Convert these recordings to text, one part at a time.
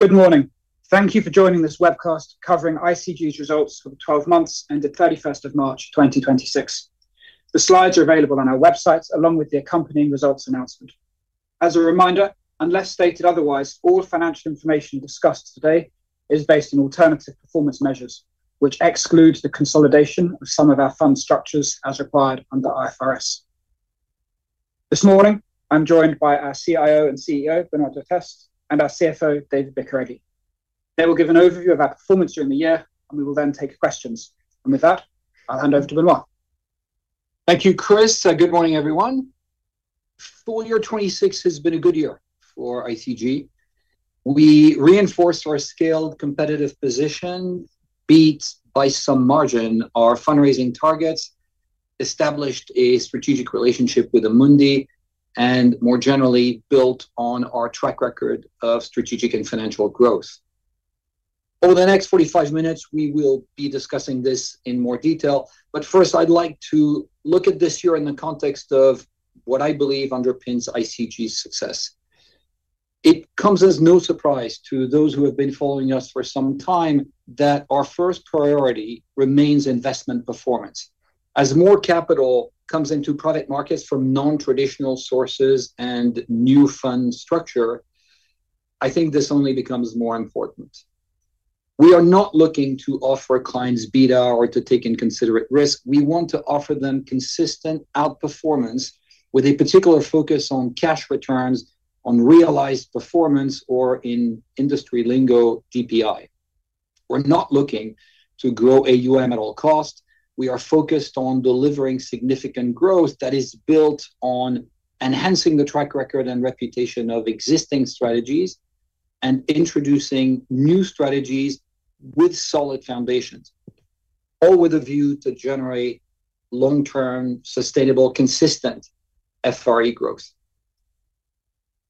Good morning. Thank you for joining this webcast covering ICG's results for the 12 months ended 31st of March 2026. The slides are available on our website along with the accompanying results announcement. As a reminder, unless stated otherwise, all financial information discussed today is based on Alternative Performance Measures, which excludes the consolidation of some of our fund structures as required under IFRS. This morning, I'm joined by our CIO and CEO, Benoît Durteste, and our CFO, David Bicarregui. They will give an overview of our performance during the year. We will then take questions. With that, I'll hand over to Benoît. Thank you, Chris. Good morning, everyone. Full year 2026 has been a good year for ICG. We reinforced our scaled competitive position, beat by some margin our fundraising targets, established a strategic relationship with Amundi, and more generally built on our track record of strategic and financial growth. Over the next 45 minutes, we will be discussing this in more detail, but first, I'd like to look at this year in the context of what I believe underpins ICG's success. It comes as no surprise to those who have been following us for some time that our first priority remains investment performance. As more capital comes into private markets from non-traditional sources and new fund structure, I think this only becomes more important. We are not looking to offer clients beta or to take inconsiderate risk. We want to offer them consistent outperformance with a particular focus on cash returns, on realized performance, or in industry lingo, DPI. We're not looking to grow AUM at all costs. We are focused on delivering significant growth that is built on enhancing the track record and reputation of existing strategies and introducing new strategies with solid foundations, all with a view to generate long-term, sustainable, consistent FRE growth.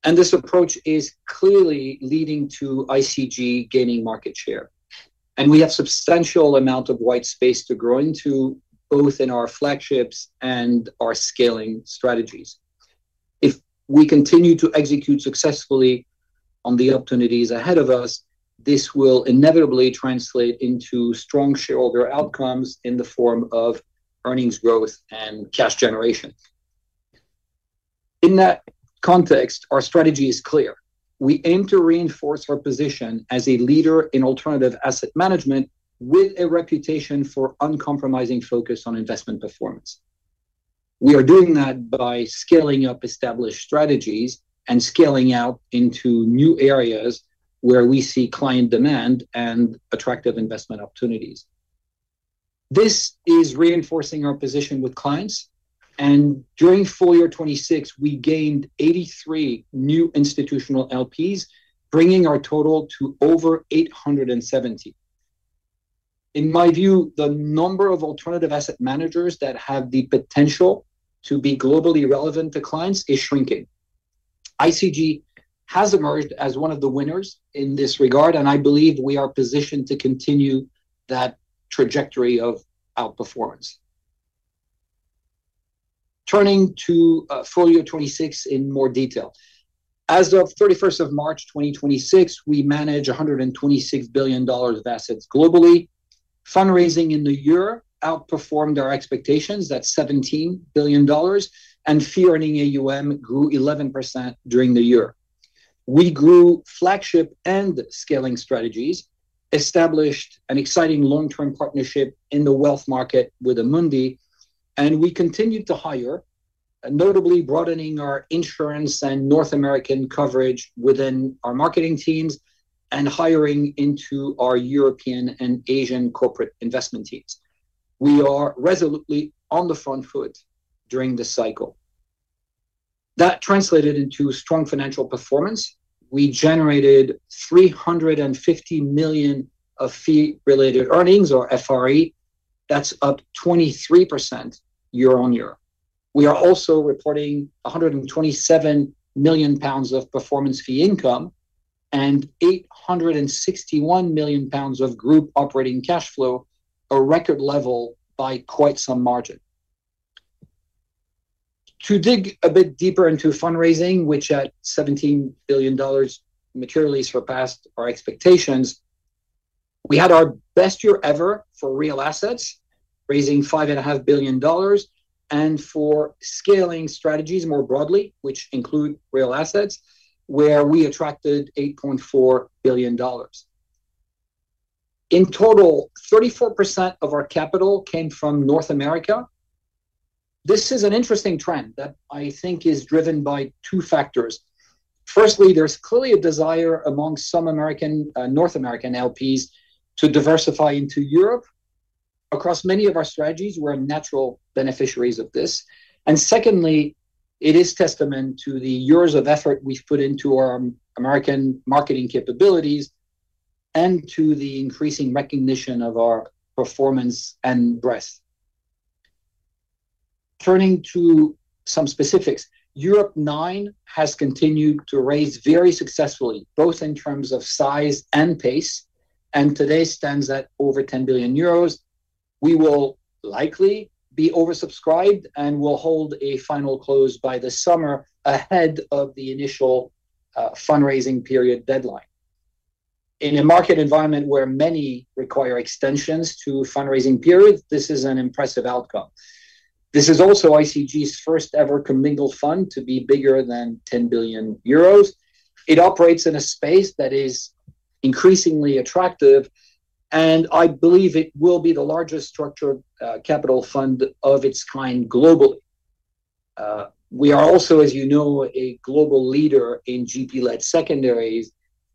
This approach is clearly leading to ICG gaining market share. We have substantial amount of white space to grow into both in our flagships and our scaling strategies. If we continue to execute successfully on the opportunities ahead of us, this will inevitably translate into strong shareholder outcomes in the form of earnings growth and cash generation. In that context, our strategy is clear. We aim to reinforce our position as a leader in alternative asset management with a reputation for uncompromising focus on investment performance. We are doing that by scaling up established strategies and scaling out into new areas where we see client demand and attractive investment opportunities. This is reinforcing our position with clients, and during full year 2026, we gained 83 new institutional LPs, bringing our total to over 870. In my view, the number of alternative asset managers that have the potential to be globally relevant to clients is shrinking. ICG has emerged as one of the winners in this regard, and I believe we are positioned to continue that trajectory of outperformance. Turning to full year 2026 in more detail. As of 31st of March 2026, we manage $126 billion of assets globally. Fundraising in the year outperformed our expectations. That's $17 billion. Fee Earning AUM grew 11% during the year. We grew flagship and scaling strategies, established an exciting long-term partnership in the wealth market with Amundi, and we continued to hire, notably broadening our insurance and North American coverage within our marketing teams and hiring into our European and Asian corporate investment teams. We are resolutely on the front foot during this cycle. That translated into strong financial performance. We generated 350 million of Fee Related Earnings or FRE. That's up 23% year-on-year. We are also reporting 127 million pounds of performance fee income and 861 million pounds of group operating cash flow, a record level by quite some margin. To dig a bit deeper into fundraising, which at $17 billion materially surpassed our expectations, we had our best year ever for real assets, raising $5.5 billion, and for scaling strategies more broadly, which include real assets, where we attracted $8.4 billion. In total, 34% of our capital came from North America. This is an interesting trend that I think is driven by two factors. Firstly, there's clearly a desire among some North American LPs to diversify into Europe. Across many of our strategies, we're natural beneficiaries of this. Secondly, it is testament to the years of effort we've put into our American marketing capabilities and to the increasing recognition of our performance and breadth. Turning to some specifics. Europe IX has continued to raise very successfully, both in terms of size and pace, and today stands at over 10 billion euros. We will likely be oversubscribed and will hold a final close by the summer ahead of the initial fundraising period deadline. In a market environment where many require extensions to fundraising periods, this is an impressive outcome. This is also ICG's first-ever commingled fund to be bigger than 10 billion euros. It operates in a space that is increasingly attractive. I believe it will be the largest structured capital fund of its kind globally. We are also, as you know, a global leader in GP-led secondaries.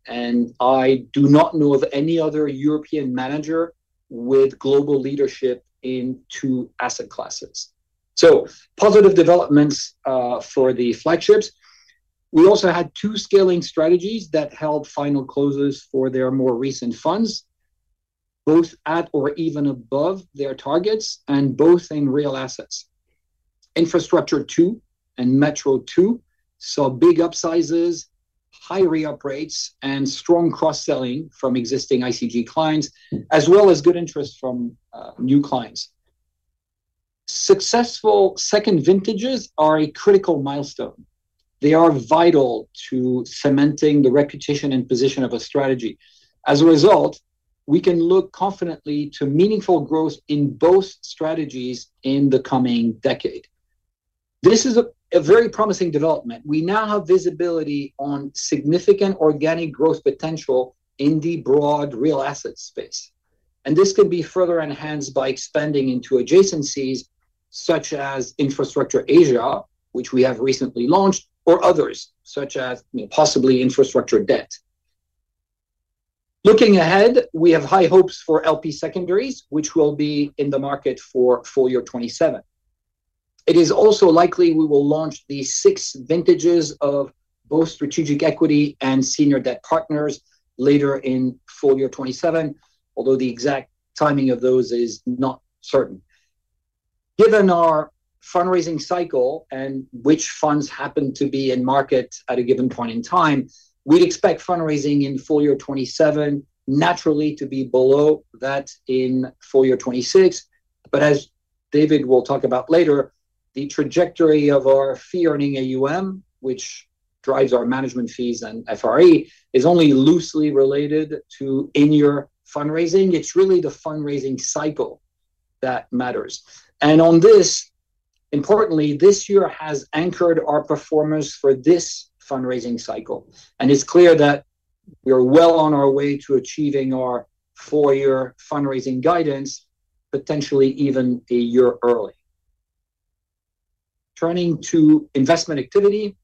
I do not know of any other European manager with global leadership in two asset classes. Positive developments for the flagships. We also had two scaling strategies that held final closes for their more recent funds, both at or even above their targets and both in real assets. Infrastructure II and Metro II saw big upsizes, high re-up rates, and strong cross-selling from existing ICG clients, as well as good interest from new clients. Successful second vintages are a critical milestone. They are vital to cementing the reputation and position of a strategy. We can look confidently to meaningful growth in both strategies in the coming decade. This is a very promising development. We now have visibility on significant organic growth potential in the broad real asset space, and this could be further enhanced by expanding into adjacencies such as Infrastructure Asia, which we have recently launched, or others, such as possibly infrastructure debt. Looking ahead, we have high hopes for LP secondaries, which will be in the market for full year 2027. It is also likely we will launch the sixth vintages of both Strategic Equity and Senior Debt Partners later in full year 2027, although the exact timing of those is not certain. Given our fundraising cycle and which funds happen to be in market at a given point in time, we'd expect fundraising in full year 2027 naturally to be below that in full year 2026. As David will talk about later, the trajectory of our Fee Earning AUM, which drives our management fees and FRE, is only loosely related to in-year fundraising. It's really the fundraising cycle that matters. On this, importantly, this year has anchored our performance for this fundraising cycle, and it is clear that we are well on our way to achieving our full-year fundraising guidance, potentially even a year early. Turning to investment activity,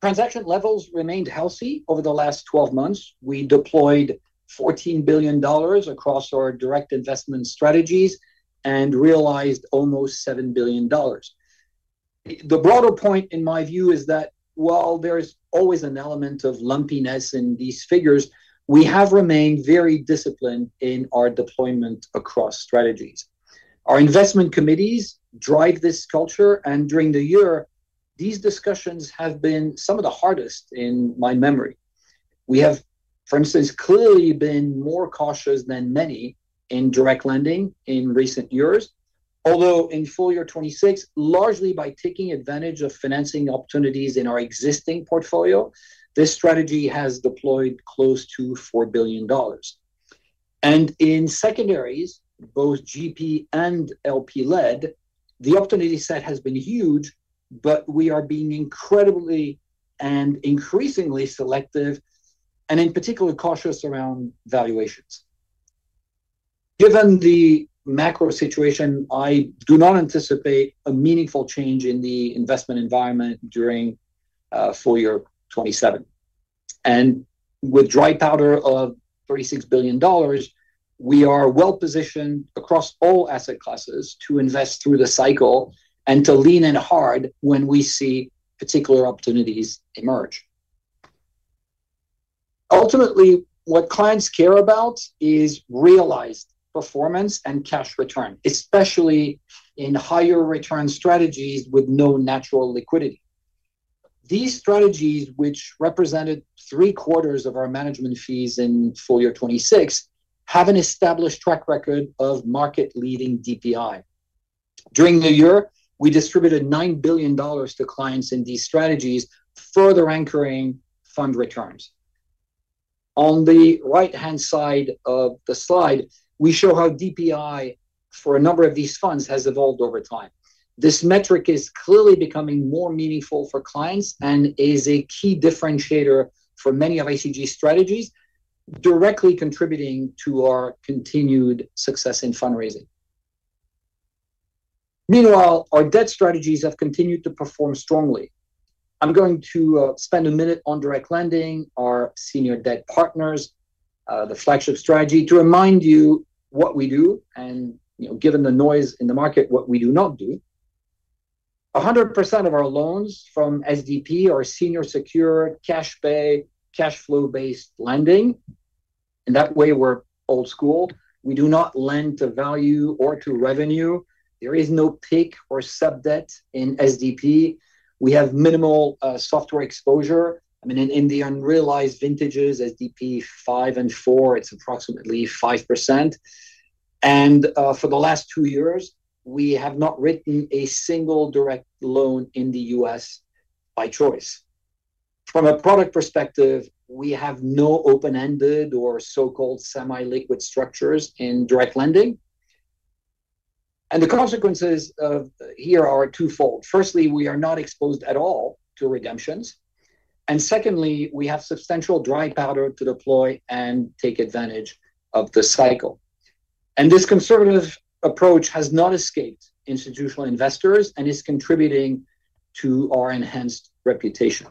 transaction levels remained healthy over the last 12 months. We deployed $14 billion across our direct investment strategies and realized almost $7 billion. The broader point, in my view, is that while there is always an element of lumpiness in these figures, we have remained very disciplined in our deployment across strategies. Our investment committees drive this culture, and during the year, these discussions have been some of the hardest in my memory. We have, for instance, clearly been more cautious than many in direct lending in recent years, although in full year 2026, largely by taking advantage of financing opportunities in our existing portfolio, this strategy has deployed close to $4 billion. In secondaries, both GP and LP-led, the opportunity set has been huge, but we are being incredibly and increasingly selective and in particular cautious around valuations. Given the macro situation, I do not anticipate a meaningful change in the investment environment during full year 2027. With dry powder of $36 billion, we are well-positioned across all asset classes to invest through the cycle and to lean in hard when we see particular opportunities emerge. Ultimately, what clients care about is realized performance and cash return, especially in higher return strategies with no natural liquidity. These strategies, which represented three-quarters of our management fees in full year 2026, have an established track record of market-leading DPI. During the year, we distributed $9 billion to clients in these strategies, further anchoring fund returns. On the right-hand side of the slide, we show how DPI for a number of these funds has evolved over time. This metric is clearly becoming more meaningful for clients and is a key differentiator for many of ICG strategies, directly contributing to our continued success in fundraising. Meanwhile, our debt strategies have continued to perform strongly. I'm going to spend a minute on direct lending, our Senior Debt Partners, the flagship strategy, to remind you what we do and, given the noise in the market, what we do not do. 100% of our loans from SDP are senior secured cash flow-based lending. In that way, we're old school. We do not lend to value or to revenue. There is no PIK or sub-debt in SDP. We have minimal software exposure. In the unrealized vintages, SDP 5 and 4, it's approximately 5%. For the last two years, we have not written a single direct loan in the U.S. by choice. From a product perspective, we have no open-ended or so-called semi-liquid structures in direct lending. The consequences here are twofold. Firstly, we are not exposed at all to redemptions. Secondly, we have substantial dry powder to deploy and take advantage of the cycle. This conservative approach has not escaped institutional investors and is contributing to our enhanced reputation.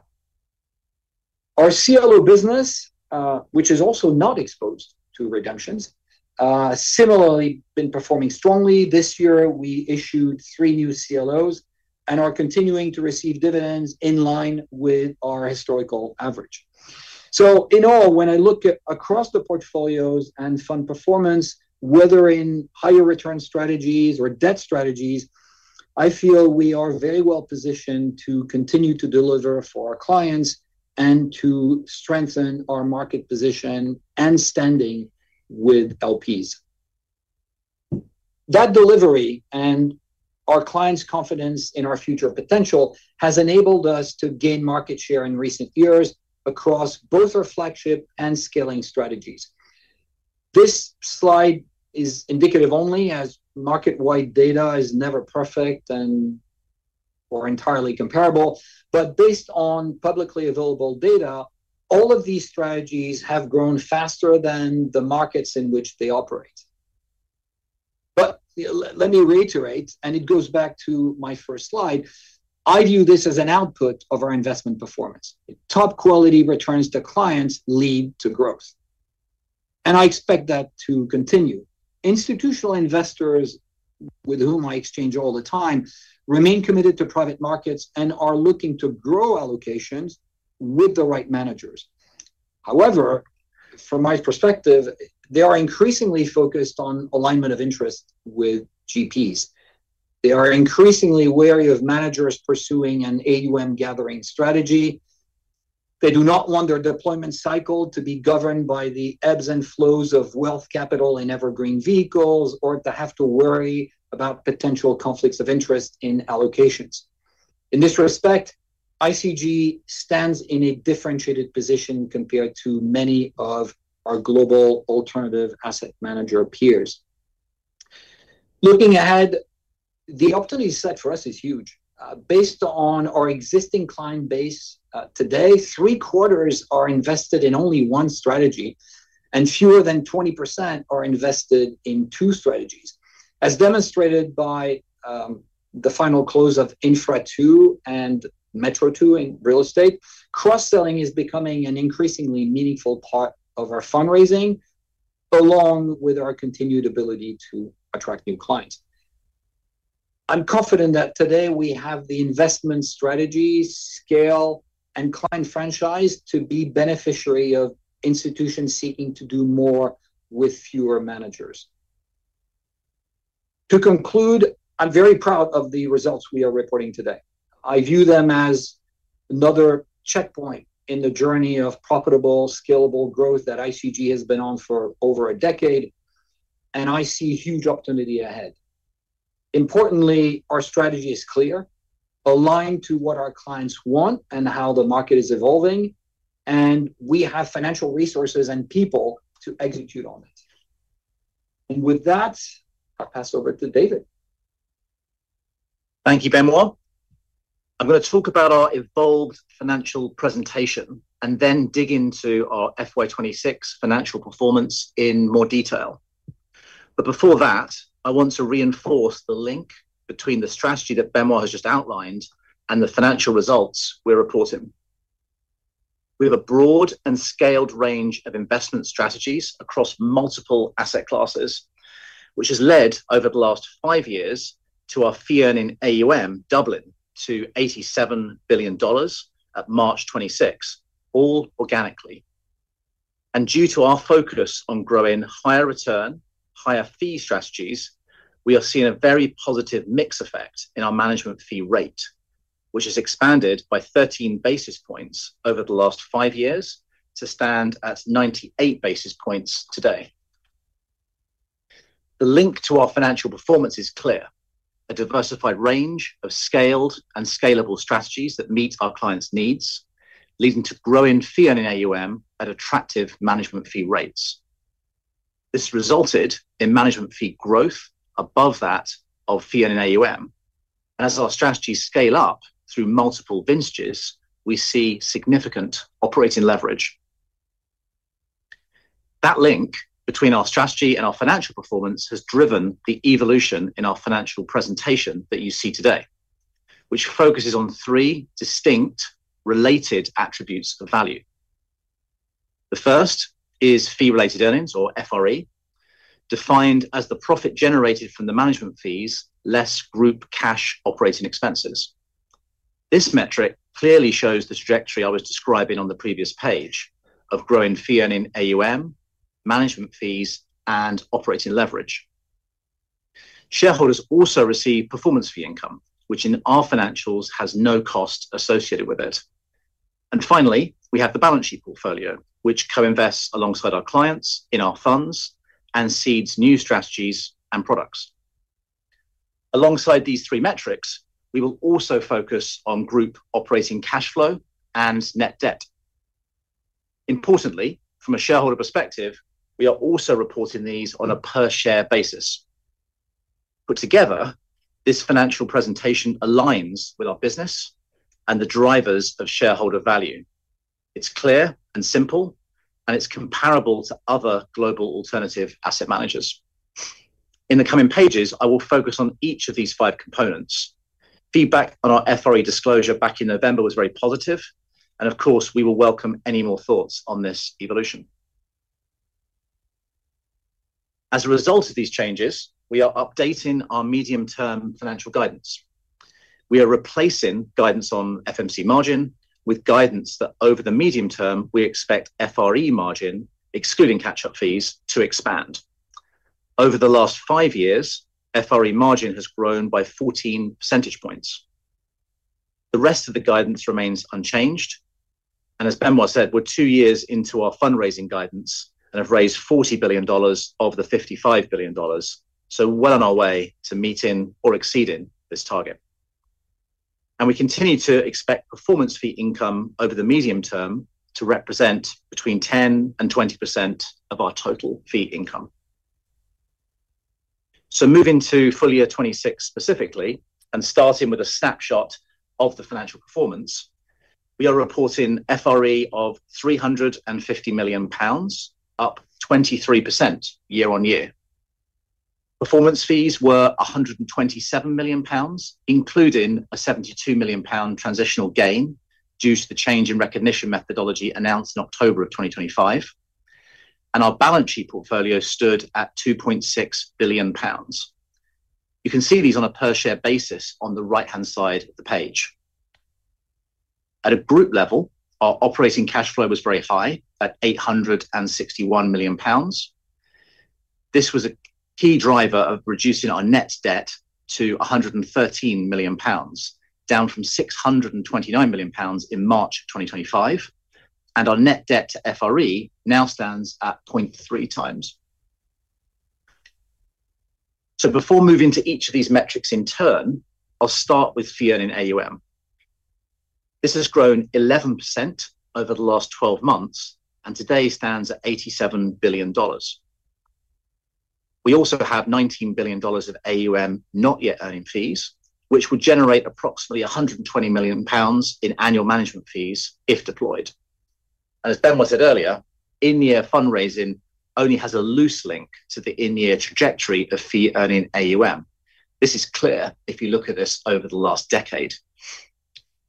Our CLO business, which is also not exposed to redemptions, has similarly been performing strongly. This year, we issued three new CLOs and are continuing to receive dividends in line with our historical average. In all, when I look at across the portfolios and fund performance, whether in higher return strategies or debt strategies, I feel we are very well positioned to continue to deliver for our clients and to strengthen our market position and standing with LPs. That delivery and our clients' confidence in our future potential has enabled us to gain market share in recent years across both our flagship and scaling strategies. This slide is indicative only as market-wide data is never perfect or entirely comparable. Based on publicly available data, all of these strategies have grown faster than the markets in which they operate. Let me reiterate, and it goes back to my first slide, I view this as an output of our investment performance. Top-quality returns to clients lead to growth, and I expect that to continue. Institutional investors with whom I exchange all the time remain committed to private markets and are looking to grow allocations with the right managers. From my perspective, they are increasingly focused on alignment of interest with GPs. They are increasingly wary of managers pursuing an AUM-gathering strategy. They do not want their deployment cycle to be governed by the ebbs and flows of wealth capital in evergreen vehicles, or to have to worry about potential conflicts of interest in allocations. In this respect, ICG stands in a differentiated position compared to many of our global alternative asset manager peers. Looking ahead, the opportunity set for us is huge. Based on our existing client base today, 3/4 are invested in only one strategy and fewer than 20% are invested in two strategies. As demonstrated by the final close of Infra II and Metro II in real estate, cross-selling is becoming an increasingly meaningful part of our fundraising, along with our continued ability to attract new clients. I'm confident that today we have the investment strategies, scale, and client franchise to be beneficiary of institutions seeking to do more with fewer managers. To conclude, I'm very proud of the results we are reporting today. I view them as another checkpoint in the journey of profitable, scalable growth that ICG has been on for over a decade, and I see huge opportunity ahead. Importantly, our strategy is clear, aligned to what our clients want and how the market is evolving, and we have financial resources and people to execute on it. With that, I'll pass over to David. Thank you, Benoît. I'm going to talk about our evolved financial presentation and then dig into our FY 2026 financial performance in more detail. Before that, I want to reinforce the link between the strategy that Benoît has just outlined and the financial results we're reporting. We have a broad and scaled range of investment strategies across multiple asset classes, which has led over the last five years to our Fee Earning AUM doubling to $87 billion at March 2026, all organically. Due to our focus on growing higher return, higher fee strategies, we are seeing a very positive mix effect in our management fee rate, which has expanded by 13 basis points over the last five years to stand at 98 basis points today. The link to our financial performance is clear. A diversified range of scaled and scalable strategies that meet our clients' needs, leading to growing Fee Earning AUM at attractive management fee rates. This resulted in management fee growth above that of Fee Earning AUM. As our strategies scale up through multiple vintages, we see significant operating leverage. That link between our strategy and our financial performance has driven the evolution in our financial presentation that you see today, which focuses on three distinct related attributes of value. The first is Fee Related Earnings or FRE, defined as the profit generated from the management fees, less group cash operating expenses. This metric clearly shows the trajectory I was describing on the previous page of growing Fee Earning AUM, management fees, and operating leverage. Shareholders also receive performance fee income, which in our financials has no cost associated with it. Finally, we have the balance sheet portfolio, which co-invests alongside our clients in our funds and seeds new strategies and products. Alongside these three metrics, we will also focus on group operating cash flow and net debt. Importantly, from a shareholder perspective, we are also reporting these on a per share basis. Put together, this financial presentation aligns with our business and the drivers of shareholder value. It's clear and simple, and it's comparable to other global alternative asset managers. In the coming pages, I will focus on each of these five components. Feedback on our FRE disclosure back in November was very positive, and of course, we will welcome any more thoughts on this evolution. As a result of these changes, we are updating our medium-term financial guidance. We are replacing guidance on FMC margin with guidance that over the medium term, we expect FRE margin, excluding catch-up fees, to expand. Over the last five years, FRE margin has grown by 14 percentage points. As Benoît said, we're two years into our fundraising guidance and have raised $40 billion of the $55 billion, so well on our way to meeting or exceeding this target. We continue to expect performance fee income over the medium term to represent between 10% and 20% of our total fee income. Moving to full year 2026 specifically, and starting with a snapshot of the financial performance, we are reporting FRE of 350 million pounds, up 23% year-on-year. Performance fees were 127 million pounds, including a 72 million pound transitional gain due to the change in recognition methodology announced in October 2025. Our balance sheet portfolio stood at 2.6 billion pounds. You can see these on a per share basis on the right-hand side of the page. At a group level, our operating cash flow was very high at 861 million pounds. This was a key driver of reducing our net debt to 113 million pounds, down from 629 million pounds in March 2025, and our net debt to FRE now stands at 0.3x. Before moving to each of these metrics in turn, I'll start with Fee Earning AUM. This has grown 11% over the last 12 months, and today stands at $87 billion. We also have $19 billion of AUM not yet earning fees, which would generate approximately 120 million pounds in annual management fees if deployed. As Benoît said earlier, in-year fundraising only has a loose link to the in-year trajectory of Fee Earning AUM. This is clear if you look at this over the last decade.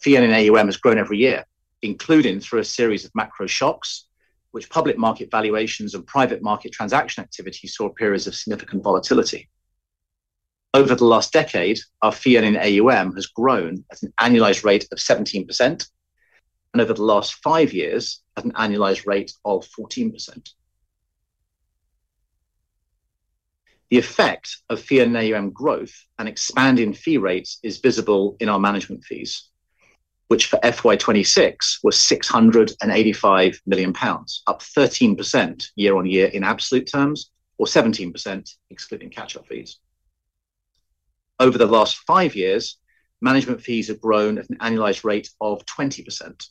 Fee Earning AUM has grown every year, including through a series of macro shocks, which public market valuations and private market transaction activity saw periods of significant volatility. Over the last decade, our Fee Earning AUM has grown at an annualized rate of 17%, and over the last five years at an annualized rate of 14%. The effect of Fee Earning AUM growth and expanding fee rates is visible in our management fees, which for FY 2026 were 685 million pounds, up 13% year-over-year in absolute terms, or 17% excluding catch-up fees. Over the last five years, management fees have grown at an annualized rate of 20%.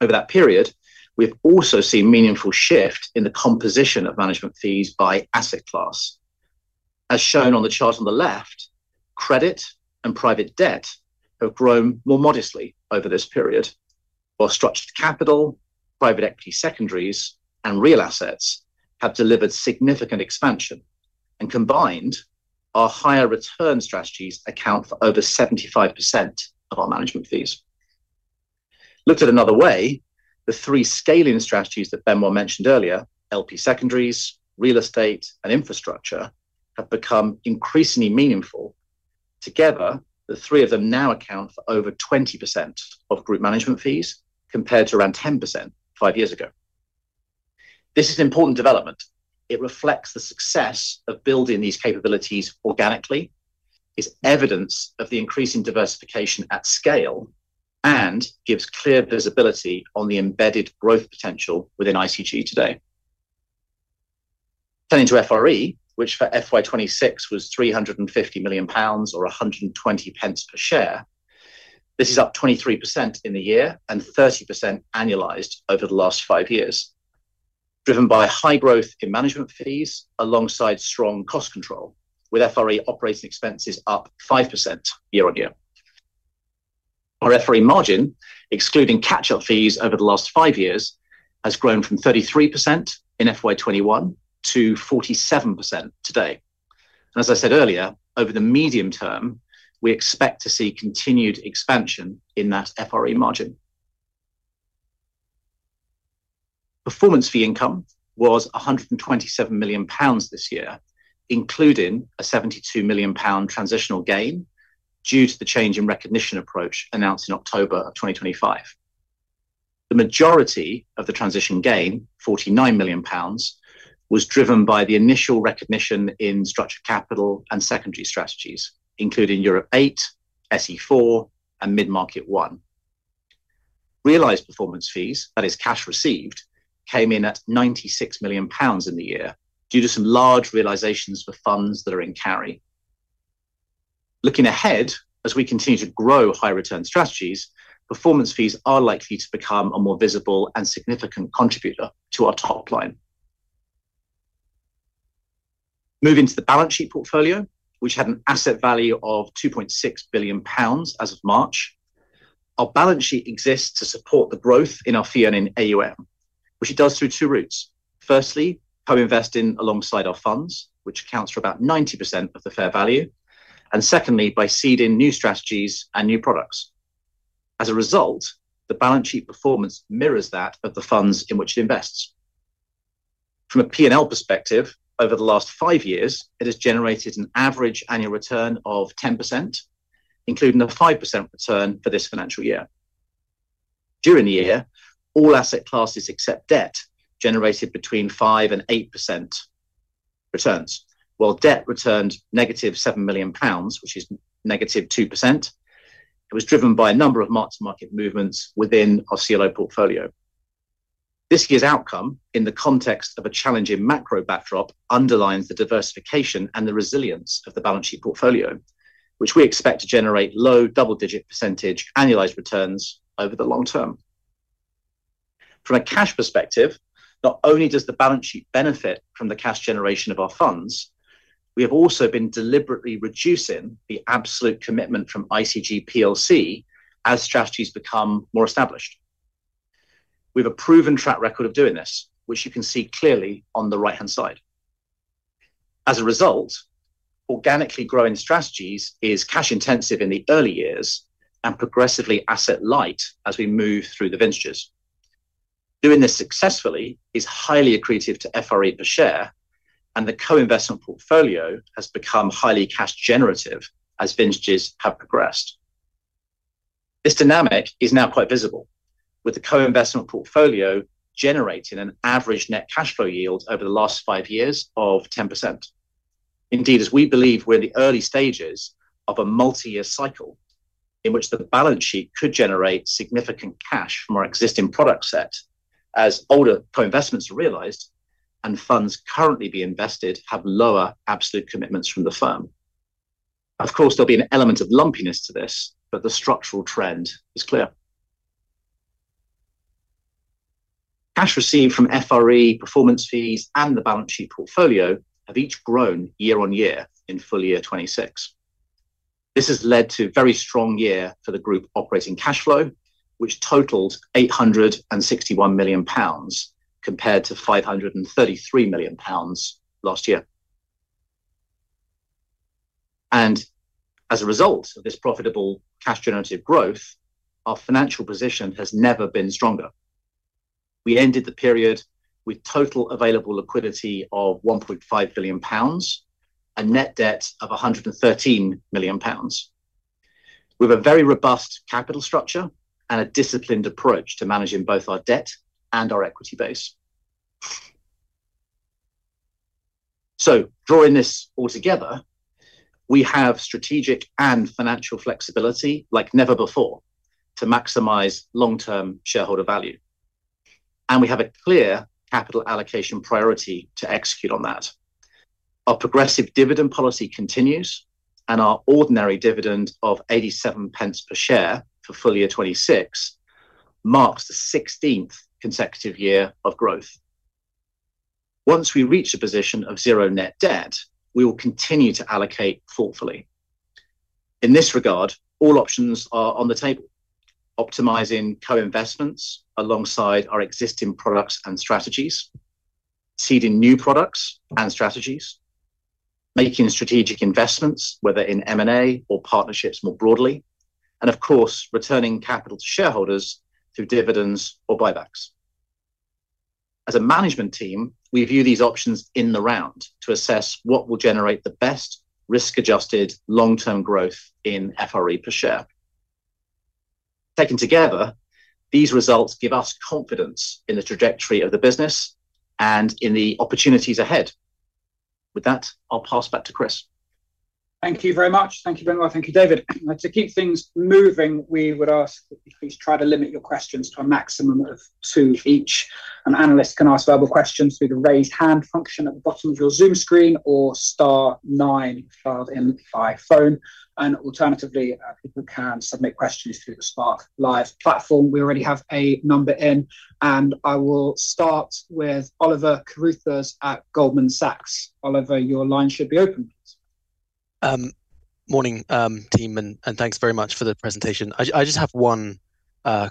Over that period, we've also seen meaningful shift in the composition of management fees by asset class. As shown on the chart on the left, credit and private debt have grown more modestly over this period. While structured capital, private equity secondaries, and real assets have delivered significant expansion, and combined, our higher return strategies account for over 75% of our management fees. Looked at another way, the three scaling strategies that Benoît mentioned earlier, LP secondaries, real estate, and infrastructure, have become increasingly meaningful. Together, the three of them now account for over 20% of group management fees, compared to around 10% five years ago. This is an important development. It reflects the success of building these capabilities organically, is evidence of the increasing diversification at scale, and gives clear visibility on the embedded growth potential within ICG today. Turning to FRE, which for FY 2026 was 350 million pounds or 1.20 per share. This is up 23% in the year and 30% annualized over the last five years, driven by high growth in management fees alongside strong cost control, with FRE operating expenses up 5% year-on-year. Our FRE margin, excluding catch-up fees over the last five years, has grown from 33% in FY 2021 to 47% today. As I said earlier, over the medium term, we expect to see continued expansion in that FRE margin. Performance fee income was 127 million pounds this year, including a 72 million pound transitional gain due to the change in recognition approach announced in October 2025. The majority of the transition gain, 49 million pounds, was driven by the initial recognition in structured capital and secondary strategies, including Europe VIII, SE IV, and Mid-Market I. Realized performance fees, that is cash received, came in at 96 million pounds in the year due to some large realizations for funds that are in carry. Looking ahead, as we continue to grow high return strategies, performance fees are likely to become a more visible and significant contributor to our top line. Moving to the balance sheet portfolio, which had an asset value of 2.6 billion pounds as of March. Our balance sheet exists to support the growth in our fee and in AUM, which it does through two routes. Firstly, co-investing alongside our funds, which accounts for about 90% of the fair value, and secondly, by seeding new strategies and new products. As a result, the balance sheet performance mirrors that of the funds in which it invests. From a P&L perspective, over the last five years, it has generated an average annual return of 10%, including a 5% return for this financial year. During the year, all asset classes except debt generated between 5% and 8% returns, while debt returned -7 million pounds, which is -2%. It was driven by a number of mark-to-market movements within our CLO portfolio. This year's outcome, in the context of a challenging macro backdrop, underlines the diversification and the resilience of the balance sheet portfolio, which we expect to generate low double-digit percentage annualized returns over the long term. From a cash perspective, not only does the balance sheet benefit from the cash generation of our funds, we have also been deliberately reducing the absolute commitment from ICG plc as strategies become more established. We have a proven track record of doing this, which you can see clearly on the right-hand side. As a result, organically growing strategies is cash intensive in the early years and progressively asset light as we move through the vintages. Doing this successfully is highly accretive to FRE per share, and the co-investment portfolio has become highly cash generative as vintages have progressed. This dynamic is now quite visible with the co-investment portfolio generating an average net cash flow yield over the last five years of 10%. Indeed, as we believe we're in the early stages of a multi-year cycle in which the balance sheet could generate significant cash from our existing product set as older co-investments are realized and funds currently being invested have lower absolute commitments from the firm. Of course, there'll be an element of lumpiness to this, but the structural trend is clear. Cash received from FRE performance fees and the balance sheet portfolio have each grown year-over-year in full year 2026. This has led to a very strong year for the group operating cash flow, which totaled 861 million pounds compared to 533 million pounds last year. As a result of this profitable cash generative growth, our financial position has never been stronger. We ended the period with total available liquidity of 1.5 billion pounds, a net debt of 113 million pounds. We have a very robust capital structure and a disciplined approach to managing both our debt and our equity base. Drawing this all together, we have strategic and financial flexibility like never before to maximize long-term shareholder value, and we have a clear capital allocation priority to execute on that. Our progressive dividend policy continues, and our ordinary dividend of 0.87 per share for full year 2026 marks the 16th consecutive year of growth. Once we reach a position of zero net debt, we will continue to allocate thoughtfully. In this regard, all options are on the table. Optimizing co-investments alongside our existing products and strategies, seeding new products and strategies, making strategic investments, whether in M&A or partnerships more broadly, and of course, returning capital to shareholders through dividends or buybacks. As a management team, we view these options in the round to assess what will generate the best risk-adjusted long-term growth in FRE per share. Taken together, these results give us confidence in the trajectory of the business and in the opportunities ahead. With that, I'll pass back to Chris. Thank you very much. Thank you, David. To keep things moving, we would ask that you please try to limit your questions to a maximum of two each. Analysts can ask verbal questions through the raise hand function at the bottom of your Zoom screen or star nine if dialed in by phone. Alternatively, people can submit questions through the Spark Live platform. We already have a number in, and I will start with Oliver Carruthers at Goldman Sachs. Oliver, your line should be open, please. Morning, team. Thanks very much for the presentation. I just have one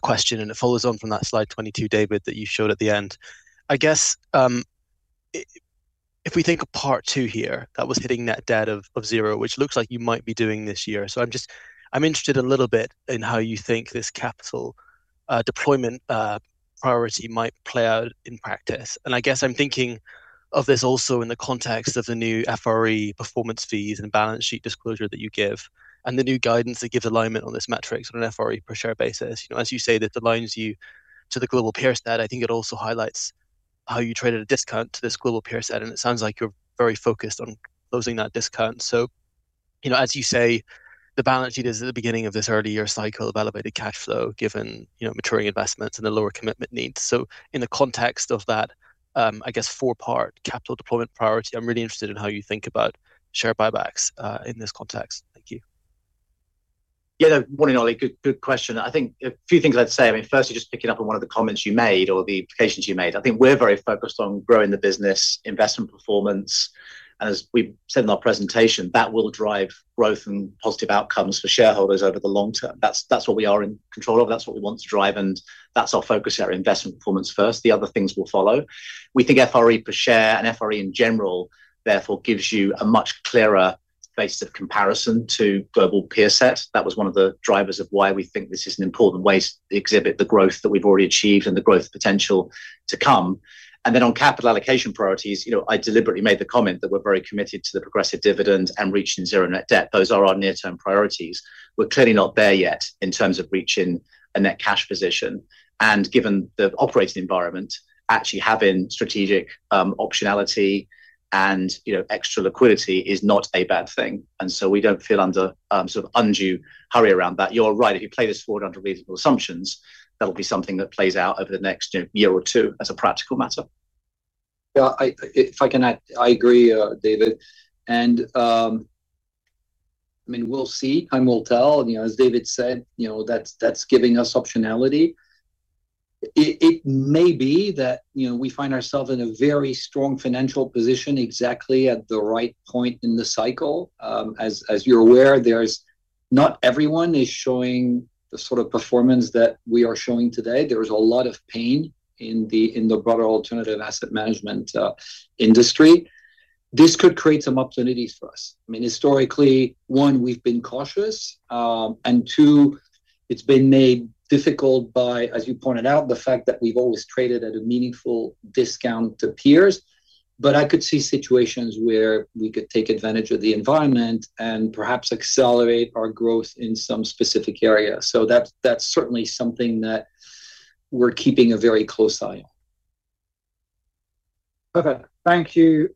question, and it follows on from that slide 22, David, that you showed at the end. I guess, if we think of part two here, that was hitting net debt of zero, which looks like you might be doing this year. I'm interested a little bit in how you think this capital deployment priority might play out in practice. I guess I'm thinking of this also in the context of the new FRE performance fees and balance sheet disclosure that you give and the new guidance that gives alignment on this metrics on an FRE per share basis. As you say, that aligns you to the global peer set. I think it also highlights How you traded a discount to this global peer set, and it sounds like you're very focused on closing that discount. As you say, the balance sheet is at the beginning of this early year cycle of elevated cash flow given maturing investments and the lower commitment needs. In the context of that, I guess, four-part capital deployment priority, I'm really interested in how you think about share buybacks in this context. Thank you. Yeah. Morning, Ollie. Good question. I think a few things I'd say. Firstly, just picking up on one of the comments you made or the implications you made, I think we're very focused on growing the business, investment performance. As we said in our presentation, that will drive growth and positive outcomes for shareholders over the long term. That's what we are in control of, that's what we want to drive, and that's our focus, our investment performance first. The other things will follow. We think FRE per share and FRE in general, therefore gives you a much clearer basis of comparison to global peer set. That was one of the drivers of why we think this is an important way to exhibit the growth that we've already achieved and the growth potential to come. On capital allocation priorities, I deliberately made the comment that we're very committed to the progressive dividend and reaching zero net debt. Those are our near-term priorities. We're clearly not there yet in terms of reaching a net cash position. Given the operating environment, actually having strategic optionality and extra liquidity is not a bad thing. We don't feel under undue hurry around that. You're right. If you play this forward under reasonable assumptions, that'll be something that plays out over the next year or two as a practical matter. Yeah. If I can add. I agree, David. We'll see. Time will tell. As David said, that's giving us optionality. It may be that we find ourselves in a very strong financial position exactly at the right point in the cycle. As you're aware, not everyone is showing the sort of performance that we are showing today. There is a lot of pain in the broader alternative asset management industry. This could create some opportunities for us. Historically, one, we've been cautious. Two, it's been made difficult by, as you pointed out, the fact that we've always traded at a meaningful discount to peers. I could see situations where we could take advantage of the environment and perhaps accelerate our growth in some specific areas. That's certainly something that we're keeping a very close eye on. Perfect. Thank you,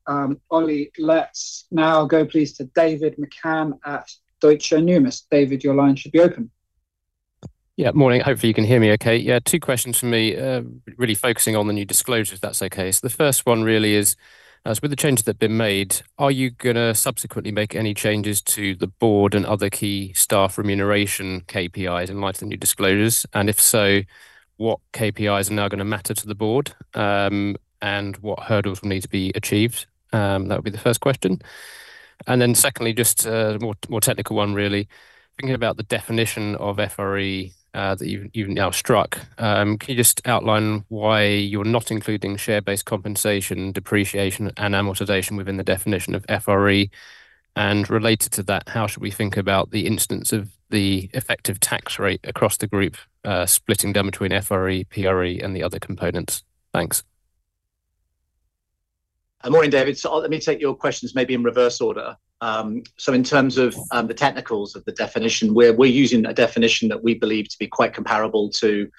Ollie. Let's now go please to David McCann at Deutsche Numis. David, your line should be open. Morning. Hopefully you can hear me okay. Two questions from me, really focusing on the new disclosure, if that's okay. The first one really is, as with the changes that have been made, are you going to subsequently make any changes to the board and other key staff remuneration, KPIs in light of the new disclosures? If so, what KPIs are now going to matter to the board? What hurdles will need to be achieved? That would be the first question. Secondly, just a more technical one really. Thinking about the definition of FRE that you've now struck, can you just outline why you're not including share-based compensation, depreciation, and amortization within the definition of FRE? Related to that, how should we think about the instance of the effective tax rate across the group, splitting them between FRE, PRE, and the other components? Thanks. Morning, David. Let me take your questions maybe in reverse order. In terms of the technicals of the definition, we're using a definition that we believe to be quite comparable to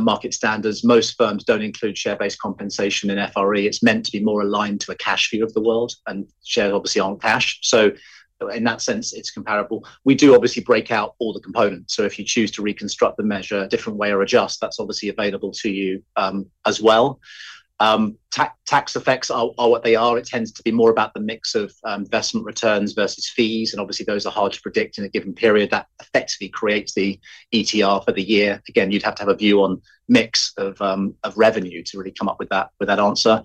market standards. Most firms don't include share-based compensation in FRE. It's meant to be more aligned to a cash view of the world, and shares obviously aren't cash. In that sense, it's comparable. We do obviously break out all the components, so if you choose to reconstruct the measure a different way or adjust, that's obviously available to you, as well. Tax effects are what they are. It tends to be more about the mix of investment returns versus fees, and obviously those are hard to predict in a given period. That effectively creates the ETR for the year. You'd have to have a view on mix of revenue to really come up with that answer.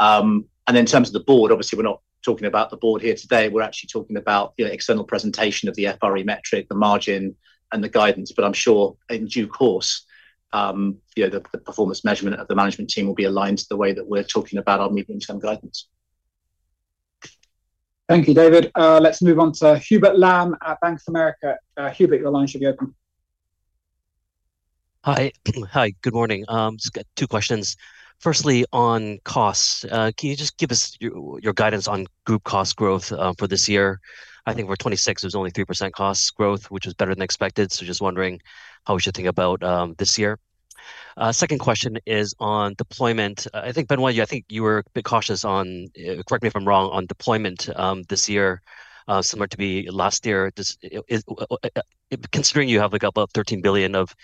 In terms of the board, obviously we're not talking about the board here today. We're actually talking about the external presentation of the FRE metric, the margin and the guidance. I'm sure in due course, the performance measurement of the management team will be aligned to the way that we're talking about our medium-term guidance. Thank you, David. Let's move on to Hubert Lam at Bank of America. Hubert, your line should be open. Hi. Good morning. Just got two questions. Firstly, on costs, can you just give us your guidance on group cost growth for this year? I think for 2026 it was only 3% cost growth, which was better than expected. Just wondering how we should think about this year. Second question is on deployment. I think, Benoît, you were a bit cautious on, correct me if I'm wrong, on deployment this year, similar to last year. Considering you have about 13 billion of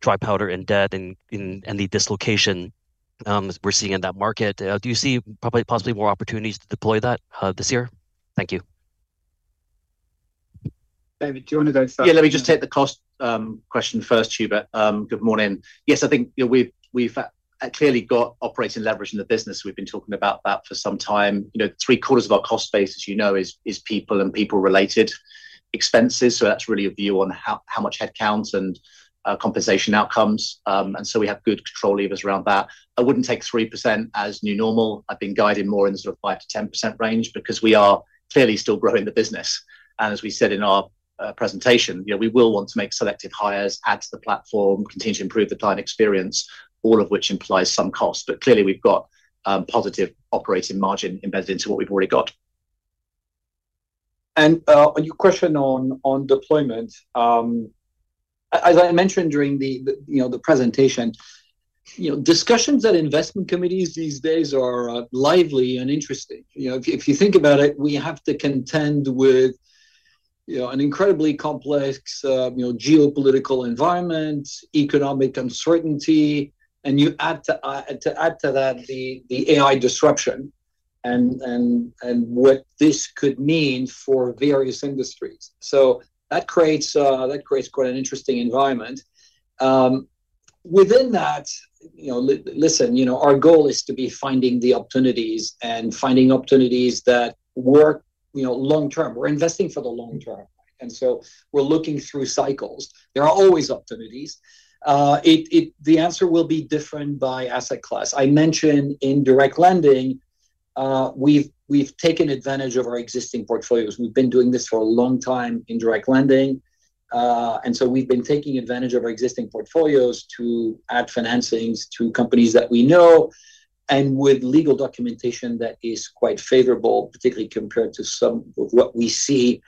dry powder and debt and the dislocation we're seeing in that market, do you see possibly more opportunities to deploy that this year? Thank you. David, do you want to go and start? Let me just take the cost question first, Hubert. Good morning. I think we've clearly got operating leverage in the business. We've been talking about that for some time. Three quarters of our cost base, as you know, is people and people-related expenses. That's really a view on how much headcount and compensation outcomes. We have good control levers around that. I wouldn't take 3% as new normal. I've been guided more in the sort of 5%-10% range because we are clearly still growing the business. As we said in our presentation, we will want to make selective hires, add to the platform, continue to improve the client experience, all of which implies some cost. Clearly we've got positive operating margin embedded into what we've already got. Your question on deployment. As I mentioned during the presentation, discussions at investment committees these days are lively and interesting. If you think about it, we have to contend with an incredibly complex geopolitical environment, economic uncertainty, and to add to that, the AI disruption and what this could mean for various industries. That creates quite an interesting environment. Within that, listen, our goal is to be finding the opportunities and finding opportunities that work long term. We're investing for the long term, we're looking through cycles. There are always opportunities. The answer will be different by asset class. I mentioned in direct lending, we've taken advantage of our existing portfolios. We've been doing this for a long time in direct lending. We've been taking advantage of our existing portfolios to add financings to companies that we know and with legal documentation that is quite favorable, particularly compared to some of what we see in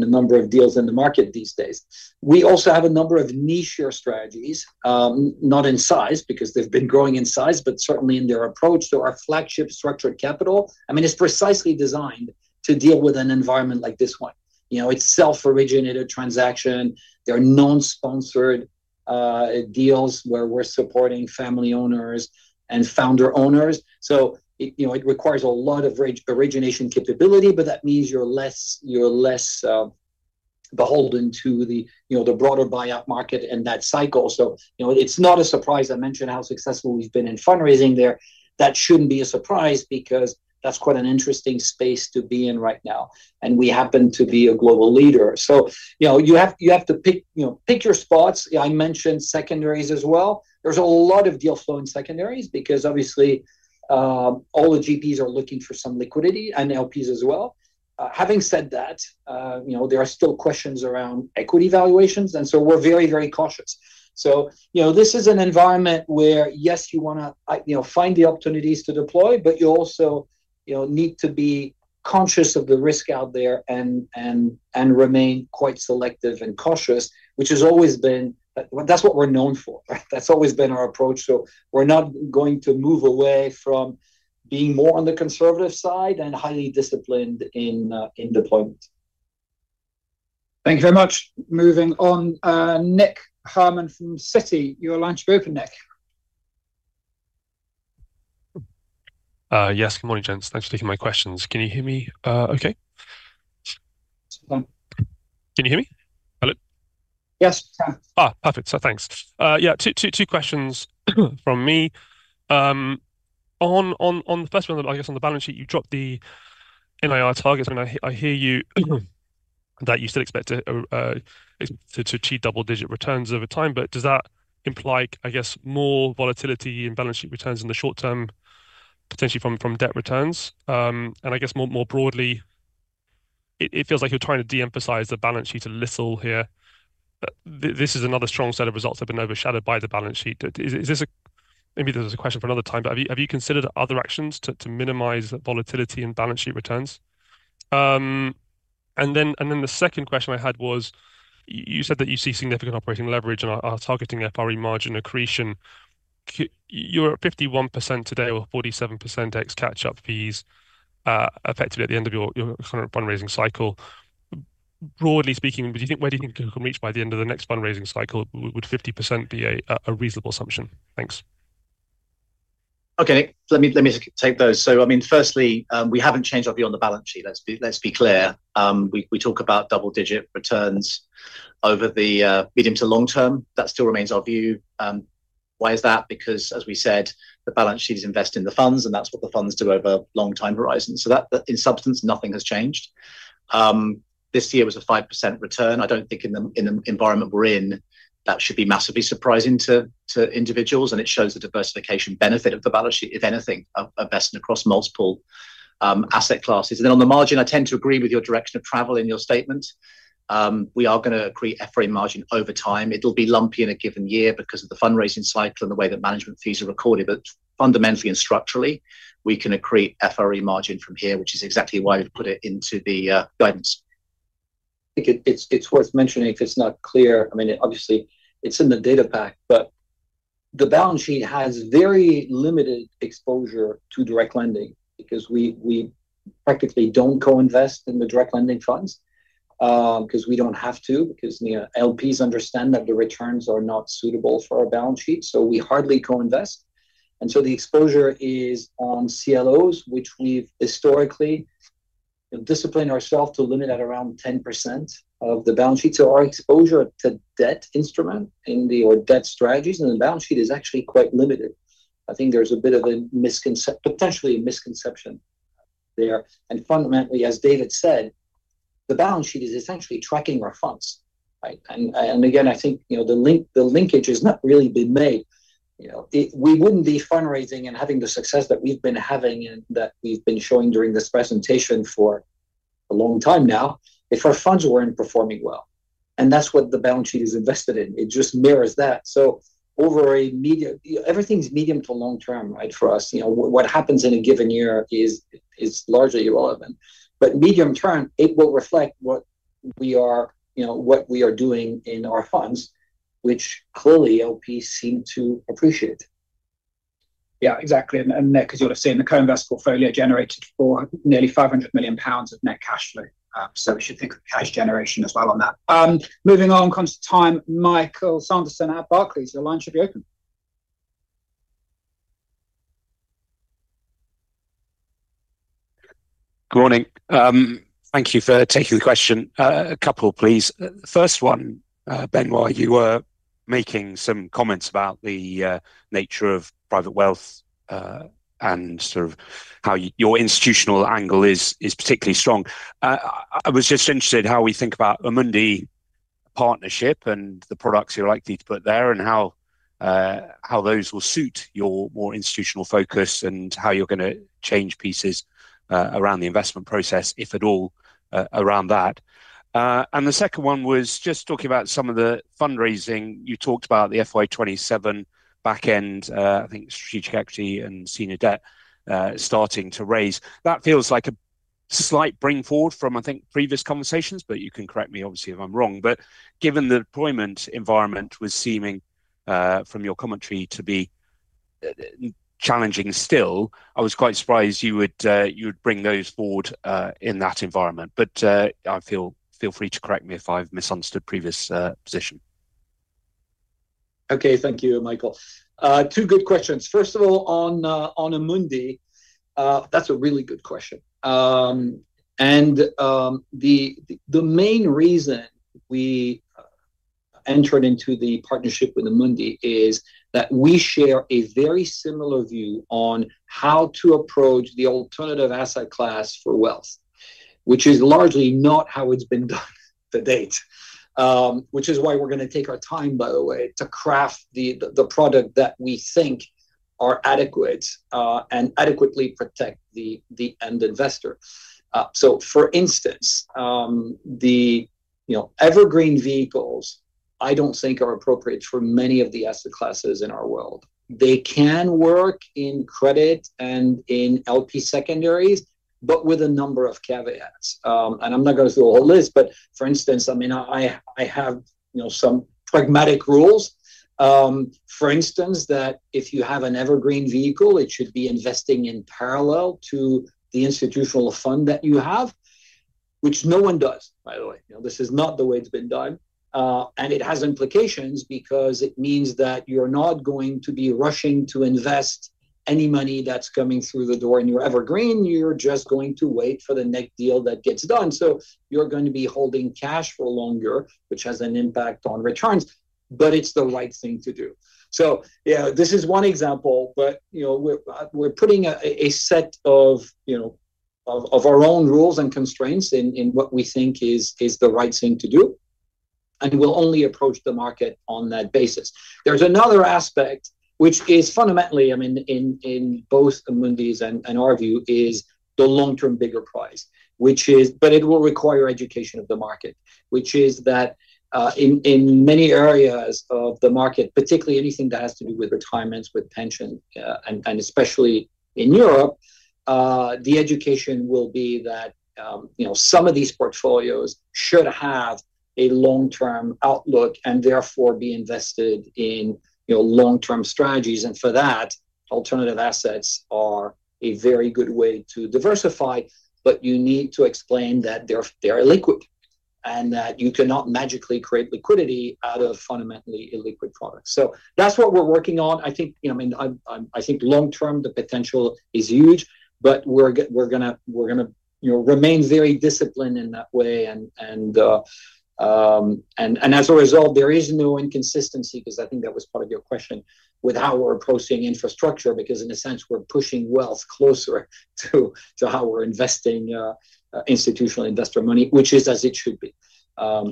the number of deals in the market these days. We also have a number of niche-er strategies, not in size, because they've been growing in size, but certainly in their approach to our Flagship Structured Capital. It's precisely designed to deal with an environment like this one. It's self-originated transaction. They're non-sponsored deals where we're supporting family owners and founder owners. It requires a lot of origination capability, but that means you're less beholden to the broader buyout market and that cycle. It's not a surprise I mentioned how successful we've been in fundraising there. That shouldn't be a surprise, because that's quite an interesting space to be in right now, and we happen to be a global leader. You have to pick your spots. I mentioned secondaries as well. There's a lot of deal flow in secondaries because obviously, all the GPs are looking for some liquidity and LPs as well. Having said that, there are still questions around equity valuations, and so we're very, very cautious. This is an environment where, yes, you want to find the opportunities to deploy, but you also need to be conscious of the risk out there and remain quite selective and cautious. That's what we're known for. That's always been our approach. We're not going to move away from being more on the conservative side and highly disciplined in deployment. Thank you very much. Moving on. Nick Herman from Citi. Your line should be open, Nick. Yes. Good morning, gents. Thanks for taking my questions. Can you hear me okay? Yes. Can you hear me? Hello? Yes. Perfect. Thanks. Yeah, two questions from me. On the first one, I guess on the balance sheet, you dropped the NIR targets, and I hear you that you still expect to achieve double-digit returns over time. Does that imply, I guess, more volatility in balance sheet returns in the short term, potentially from debt returns? I guess more broadly, it feels like you're trying to de-emphasize the balance sheet a little here. This is another strong set of results that's been overshadowed by the balance sheet. Maybe this is a question for another time, have you considered other actions to minimize volatility and balance sheet returns? Then the second question I had was, you said that you see significant operating leverage and are targeting FRE margin accretion. You're at 51% today or 47% ex catch-up fees, effectively at the end of your current fundraising cycle. Broadly speaking, where do you think you can reach by the end of the next fundraising cycle? Would 50% be a reasonable assumption? Thanks. Nick. Let me take those. Firstly, we haven't changed our view on the balance sheet. Let's be clear. We talk about double-digit returns over the medium to long term. That still remains our view. Why is that? As we said, the balance sheet is invested in the funds, and that's what the funds do over a long time horizon. In substance, nothing has changed. This year was a 5% return. I don't think in the environment we're in, that should be massively surprising to individuals, and it shows the diversification benefit of the balance sheet, if anything, investing across multiple asset classes. On the margin, I tend to agree with your direction of travel in your statement. We are going to accrete FRE margin over time. It'll be lumpy in a given year because of the fundraising cycle and the way that management fees are recorded. Fundamentally and structurally, we can accrete FRE margin from here, which is exactly why we've put it into the guidance. I think it's worth mentioning if it's not clear. Obviously, it's in the data pack, but the balance sheet has very limited exposure to direct lending because we practically don't co-invest in the direct lending funds because we don't have to, because the LPs understand that the returns are not suitable for our balance sheet. We hardly co-invest. The exposure is on CLOs, which we've historically disciplined ourself to limit at around 10% of the balance sheet. Our exposure to debt instrument in the debt strategies and the balance sheet is actually quite limited. I think there's a bit of a, potentially, a misconception there. Fundamentally, as David said, the balance sheet is essentially tracking our funds. Again, I think the linkage has not really been made. We wouldn't be fundraising and having the success that we've been having and that we've been showing during this presentation for a long time now if our funds weren't performing well. That's what the balance sheet is invested in. It just mirrors that. Everything's medium to long term for us. What happens in a given year is largely irrelevant. Medium-term, it will reflect what we are doing in our funds, which clearly LPs seem to appreciate. Yeah, exactly. Nick, as you'll have seen, the co-invest portfolio generated nearly 500 million pounds of net cash flow. We should think of cash generation as well on that. Moving on, conscious of time, Michael Sanderson at Barclays, your line should be open. Good morning. Thank you for taking the question. A couple, please. First one, Benoît, you were making some comments about the nature of private wealth, and how your institutional angle is particularly strong. I was just interested how we think about Amundi partnership and the products you're likely to put there, and how those will suit your more institutional focus and how you're going to change pieces around the investment process, if at all, around that. The second one was just talking about some of the fundraising. You talked about the FY 2027 back end, I think Strategic Equity and Senior Debt starting to raise. That feels like a slight bring forward from, I think, previous conversations. You can correct me obviously if I'm wrong. Given the deployment environment was seeming, from your commentary, to be challenging still, I was quite surprised you would bring those forward in that environment. Feel free to correct me if I've misunderstood previous position. Okay. Thank you, Michael. Two good questions. First of all, on Amundi, that's a really good question. The main reason we entered into the partnership with Amundi is that we share a very similar view on how to approach the alternative asset class for wealth, which is largely not how it's been done to date. Which is why we're going to take our time, by the way, to craft the product that we think are adequate, and adequately protect the end investor. For instance, the evergreen vehicles I don't think are appropriate for many of the asset classes in our world. They can work in credit and in LP secondaries, but with a number of caveats. I'm not going to through the whole list, but for instance, I have some pragmatic rules. For instance, that if you have an evergreen vehicle, it should be investing in parallel to the institutional fund that you have, which no one does, by the way. This is not the way it's been done. It has implications because it means that you're not going to be rushing to invest any money that's coming through the door in your evergreen. You're just going to wait for the next deal that gets done. You're going to be holding cash for longer, which has an impact on returns, but it's the right thing to do. Yeah, this is one example, but we're putting a set of our own rules and constraints in what we think is the right thing to do, and we'll only approach the market on that basis. There's another aspect which is fundamentally, in both Amundi's and our view, is the long-term bigger prize. It will require education of the market, which is that in many areas of the market, particularly anything that has to do with retirements, with pension, and especially in Europe, the education will be that some of these portfolios should have a long-term outlook and therefore be invested in long-term strategies. For that, alternative assets are a very good way to diversify, but you need to explain that they're illiquid, and that you cannot magically create liquidity out of fundamentally illiquid products. That's what we're working on. I think long term, the potential is huge, but we're going to remain very disciplined in that way. As a result, there is no inconsistency, because I think that was part of your question, with how we're approaching infrastructure, because in a sense, we're pushing wealth closer to how we're investing institutional investor money, which is as it should be.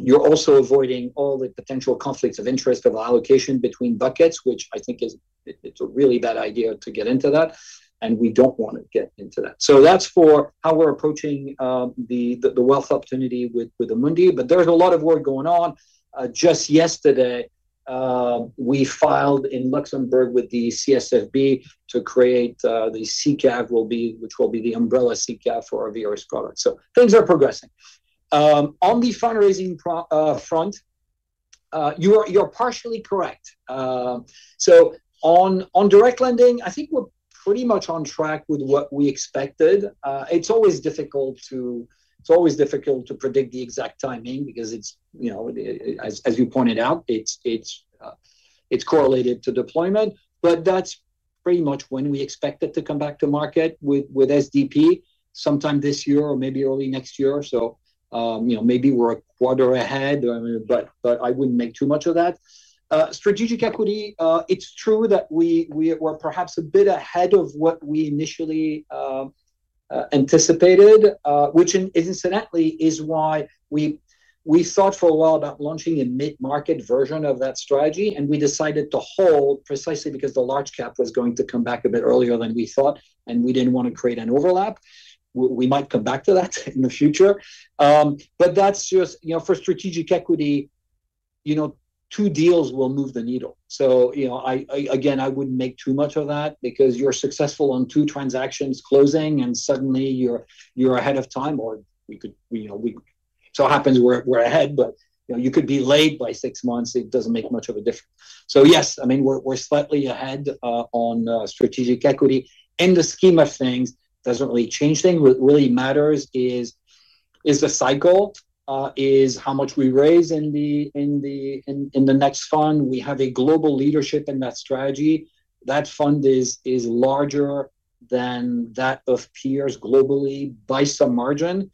You're also avoiding all the potential conflicts of interest of allocation between buckets, which I think it's a really bad idea to get into that, and we don't want to get into that. That's for how we're approaching the wealth opportunity with Amundi. There's a lot of work going on. Just yesterday, we filed in Luxembourg with the CSSF to create the SICAV, which will be the umbrella SICAV for our various products. Things are progressing. On the fundraising front, you're partially correct. On direct lending, I think we're pretty much on track with what we expected. It is always difficult to predict the exact timing because as you pointed out, it is correlated to deployment, but that is pretty much when we expect it to come back to market with SDP, sometime this year or maybe early next year. Maybe we are a quarter ahead, but I wouldn't make too much of that. Strategic Equity, it is true that we are perhaps a bit ahead of what we initially anticipated, which incidentally is why we thought for a while about launching a mid-market version of that strategy, and we decided to hold precisely because the large cap was going to come back a bit earlier than we thought, and we didn't want to create an overlap. We might come back to that in the future. That is just for Strategic Equity. Two deals will move the needle. Again, I wouldn't make too much of that because you're successful on two transactions closing, and suddenly you're ahead of time, or it so happens we're ahead, but you could be late by six months, it doesn't make much of a difference. Yes, we're slightly ahead on Strategic Equity. In the scheme of things, doesn't really change things. What really matters is the cycle, is how much we raise in the next fund. We have a global leadership in that strategy. That fund is larger than that of peers globally by some margin.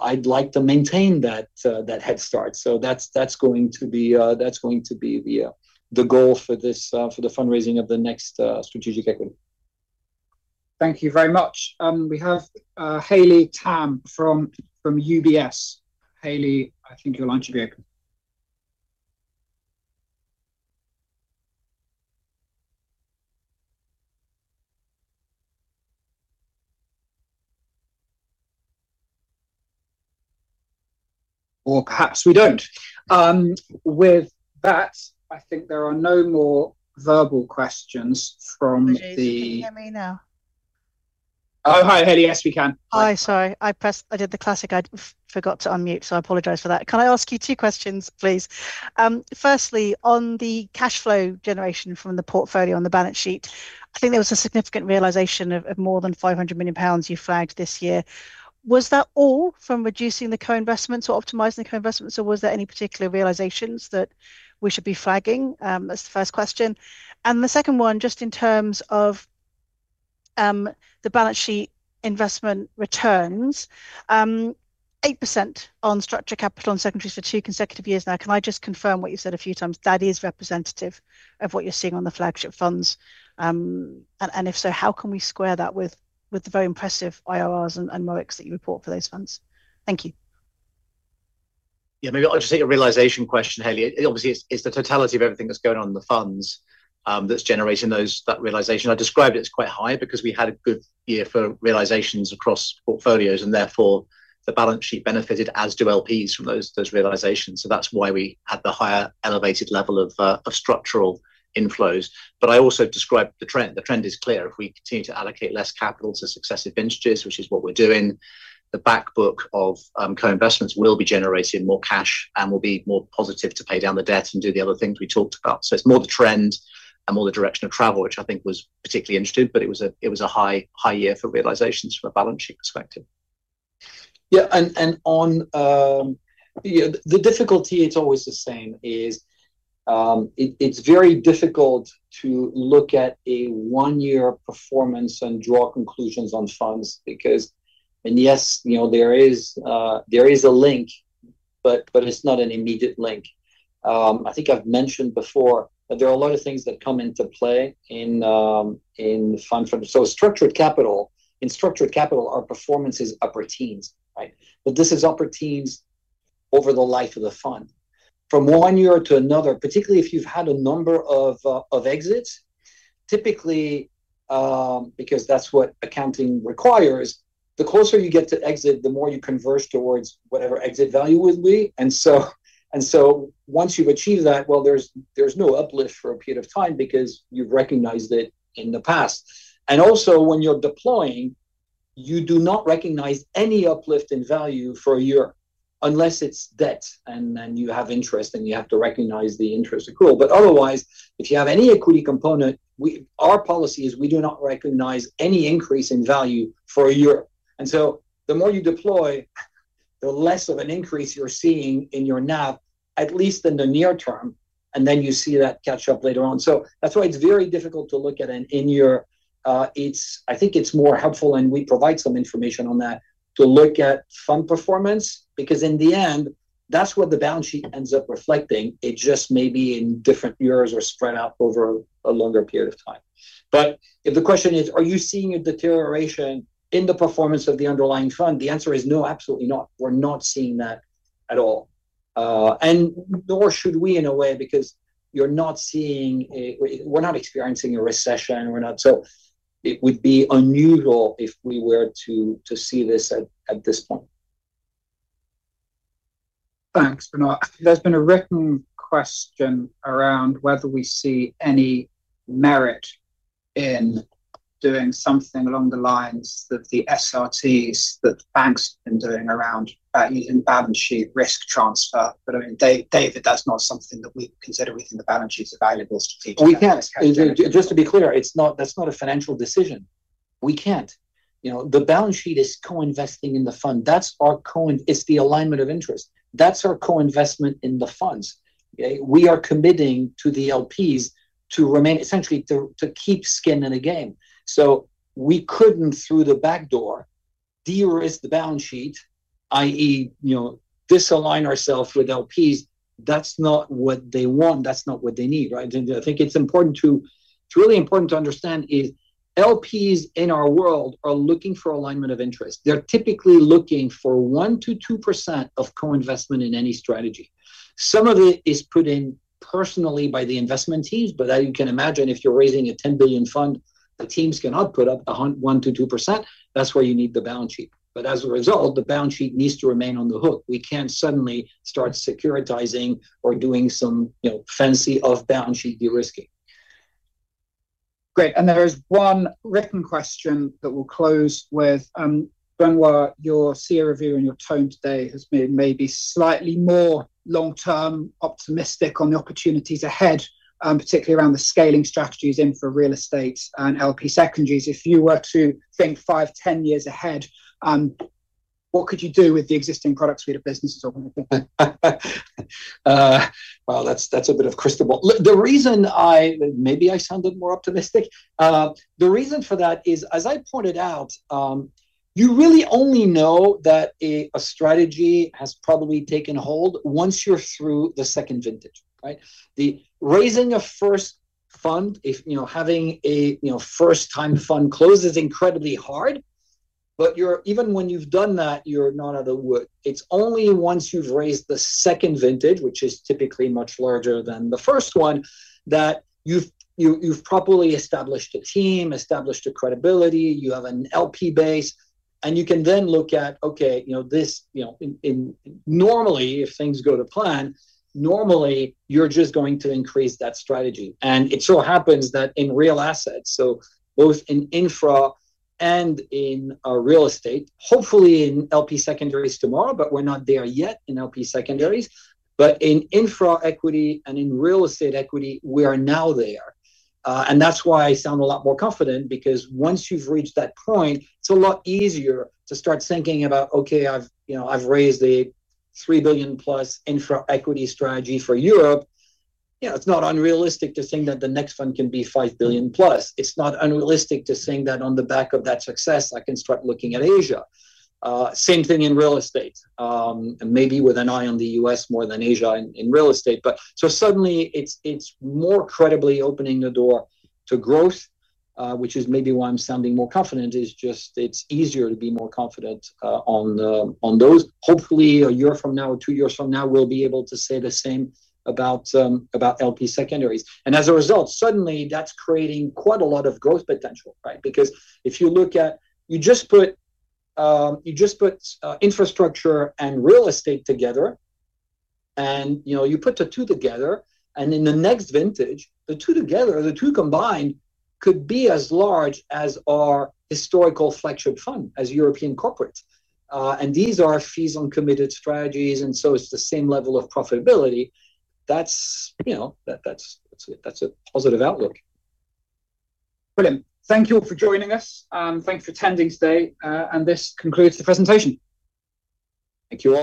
I'd like to maintain that head start. That's going to be the goal for the fundraising of the next Strategic Equity. Thank you very much. We have Haley Tam from UBS. Haley, I think your line should be open. Perhaps we don't. With that, I think there are no more verbal questions. Can you hear me now? Oh, hi, Haley. Yes, we can. Hi. Sorry. I did the classic I forgot to unmute, so I apologize for that. Can I ask you two questions, please? Firstly, on the cash flow generation from the portfolio on the balance sheet, I think there was a significant realization of more than 500 million pounds you flagged this year. Was that all from reducing the co-investments or optimizing the co-investments, or was there any particular realizations that we should be flagging? That's the first question. The second one, just in terms of the balance sheet investment returns, 8% on structured capital and secondaries for two consecutive years now. Can I just confirm what you've said a few times, that is representative of what you're seeing on the flagship funds? If so, how can we square that with the very impressive IRRs and MOICs that you report for those funds? Thank you. Yeah. Maybe I'll just take the realization question, Haley. Obviously, it's the totality of everything that's going on in the funds that's generating that realization. I described it as quite high because we had a good year for realizations across portfolios, and therefore the balance sheet benefited, as do LPs from those realizations. That's why we had the higher elevated level of structural inflows. I also described the trend. The trend is clear. If we continue to allocate less capital to successive vintages, which is what we're doing, the back book of co-investments will be generating more cash and will be more positive to pay down the debt and do the other things we talked about. It's more the trend and more the direction of travel, which I think was particularly interesting, but it was a high year for realizations from a balance sheet perspective. The difficulty, it's always the same, is it's very difficult to look at a one-year performance and draw conclusions on funds because, yes, there is a link, but it's not an immediate link. I think I've mentioned before that there are a lot of things that come into play in funds. In structured capital, our performance is upper teens. Right? This is upper teens over the life of the fund. From one year to another, particularly if you've had a number of exits, typically because that's what accounting requires, the closer you get to exit, the more you converge towards whatever exit value would be. Once you've achieved that, well, there's no uplift for a period of time because you've recognized it in the past. Also when you're deploying, you do not recognize any uplift in value for a year unless it's debt and you have interest, and you have to recognize the interest accrual. Otherwise, if you have any equity component, our policy is we do not recognize any increase in value for a year. The more you deploy, the less of an increase you're seeing in your NAV, at least in the near term, and then you see that catch up later on. That's why it's very difficult to look at an in-year. I think it's more helpful, and we provide some information on that, to look at fund performance, because in the end, that's what the balance sheet ends up reflecting. It just may be in different years or spread out over a longer period of time. If the question is, are you seeing a deterioration in the performance of the underlying fund? The answer is no, absolutely not. We're not seeing that at all. Nor should we, in a way, because we're not experiencing a recession. It would be unusual if we were to see this at this point. Thanks, Benoît. There's been a written question around whether we see any merit in doing something along the lines of the SRTs that the banks have been doing around in balance sheet risk transfer. Dave, that's not something that we consider within the balance sheet's available strategies. We can't. Just to be clear, that's not a financial decision. We can't. The balance sheet is co-investing in the fund. It's the alignment of interest. That's our co-investment in the funds. Okay? We are committing to the LPs essentially to keep skin in the game. We couldn't, through the back door, de-risk the balance sheet, i.e., disalign ourselves with LPs. That's not what they want, that's not what they need, right? I think it's really important to understand is LPs in our world are looking for alignment of interest. They're typically looking for 1%-2% of co-investment in any strategy. Some of it is put in personally by the investment teams, but as you can imagine, if you're raising a 10 billion fund, the teams can put up 1%-2%. That's where you need the balance sheet. As a result, the balance sheet needs to remain on the hook. We can't suddenly start securitizing or doing some fancy off-balance sheet de-risking. Great. There is one written question that we'll close with. Benoît, your CEO review and your tone today has been maybe slightly more long-term optimistic on the opportunities ahead, particularly around the scaling strategies in for real estate and LP secondaries. If you were to think 5, 10 years ahead, what could you do with the existing product suite of businesses, or Well, that is a bit of a crystal ball. Maybe I sounded more optimistic. The reason for that is, as I pointed out, you really only know that a strategy has probably taken hold once you are through the second vintage, right? Raising a first fund, having a first-time fund close is incredibly hard. Even when you have done that, you are not out of the woods. It is only once you have raised the second vintage, which is typically much larger than the first one, that you have properly established a team, established a credibility, you have an LP base, and you can then look at, okay, normally if things go to plan, normally you are just going to increase that strategy. It so happens that in real assets, so both in Infra and in real estate, hopefully in LP secondaries tomorrow, but we are not there yet in LP secondaries. In infra equity and in real estate equity, we are now there. That's why I sound a lot more confident because once you've reached that point, it's a lot easier to start thinking about, okay, I've raised a 3+ billion infra equity strategy for Europe. It's not unrealistic to think that the next fund can be 5+ billion. It's not unrealistic to think that on the back of that success, I can start looking at Asia. Same thing in real estate, maybe with an eye on the U.S. more than Asia in real estate. Suddenly it's more credibly opening the door to growth, which is maybe why I'm sounding more confident is just it's easier to be more confident on those. Hopefully, a year from now or two years from now, we'll be able to say the same about LP secondaries. As a result, suddenly that's creating quite a lot of growth potential, right? Because if you look at infrastructure and real estate together, in the next vintage, the two combined could be as large as our historical flagship fund as European corporate. These are fees on committed strategies, it's the same level of profitability. That's a positive outlook. Brilliant. Thank you all for joining us. Thank you for attending today. This concludes the presentation. Thank you all.